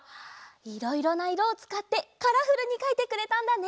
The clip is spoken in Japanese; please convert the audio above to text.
いろいろないろをつかってカラフルにかいてくれたんだね！